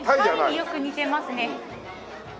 鯛によく似てますね。